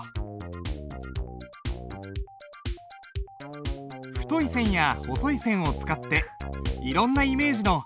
太い線や細い線を使っていろんなイメージの「花」を書いてみる。